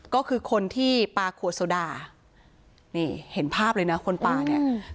ก็คือคนที่ปลาขวดโซดานี่เห็นภาพเลยนะคนปลาเนี่ย